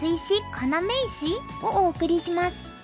要石？」をお送りします。